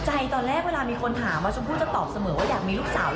ใจตอนแรกเวลามีคนถาม